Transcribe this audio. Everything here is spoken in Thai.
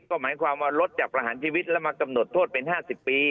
ก็หมายความว่าลดจากประหารชีวิตแล้วมากำหนดโทษเป็น๕๐ปี